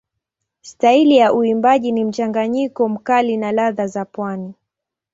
Staili ya uimbaji ni mchanganyiko mkali na ladha za pwani.